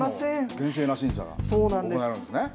厳正な審査が行われるんですね。